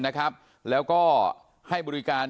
นะครับแล้วก็ให้บริการ